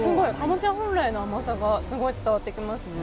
南瓜本来の甘さがすごい伝わってきますね。